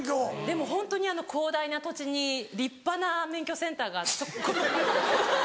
でもホントに広大な土地に立派な免許センターが。